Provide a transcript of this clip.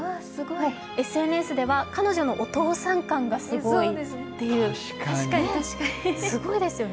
ＳＮＳでは彼女お父さん感がすごいっていう、すごいですよね。